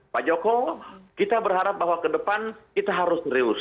pak joko kita berharap bahwa ke depan kita harus serius